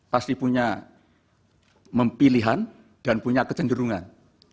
pasti punya pilihan dan punya kecenderungan